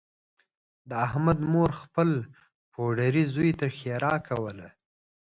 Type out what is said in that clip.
د احمد مور خپل پوډري زوی ته ښېرا کوله